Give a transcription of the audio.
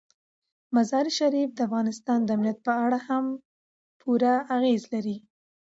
مزارشریف د افغانستان د امنیت په اړه هم پوره اغېز لري.